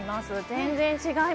全然違う？